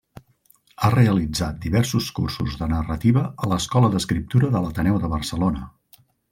Ha realitzat diversos cursos de narrativa a l'Escola d'Escriptura de l'Ateneu de Barcelona.